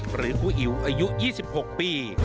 หรือครูอิ๋วอายุ๒๖ปี